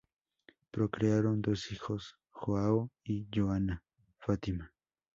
Procrearon dos hijos, Joao y Johana Fátima.